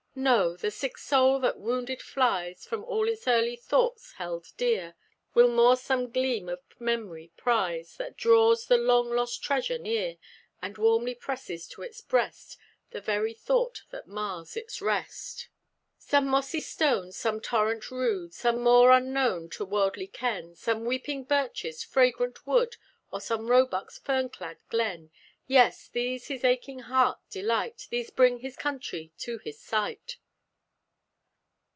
No! the sick soul, that wounded flies From all its early thoughts held dear, Will more some gleam of memory prize, That draws the long lost treasure near; And warmly presses to its breast The very thought that mars its rest. Some mossy stone, some torrent rude, Some moor unknown to worldly ken, Some weeping birches, fragrant wood, Or some wild roebuck's fern clad glen; Yes! these his aching heart delight, These bring his country to his sight.